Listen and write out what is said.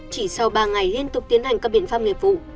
chỉ sau ba ngày liên tục tiến hành các biện pháp nghiệp vụ